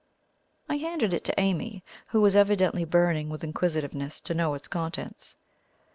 I handed it to Amy, who was evidently burning with inquisitiveness to know its contents.